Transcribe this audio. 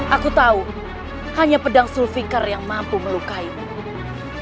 aku tahu hanya pedang sulfikar yang mampu melukai mu